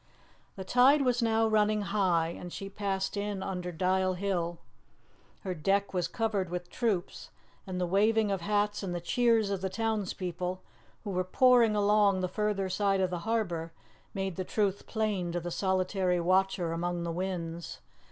The tide was now running high, and she passed in under Dial Hill. Her deck was covered with troops, and the waving of hats and the cheers of the townspeople, who were pouring along the further side of the harbour, made the truth plain to the solitary watcher among the whins.